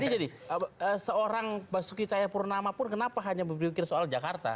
jadi seorang pak suky cahayapurnama pun kenapa hanya berpikir soal jakarta